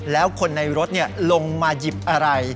แล้วคนในรถลงมาหยิบอะไร